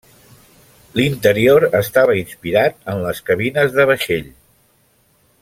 L'interior estava inspirat en les cabines de vaixell.